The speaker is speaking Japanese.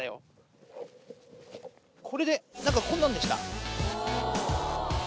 これでなんかこんなんでした。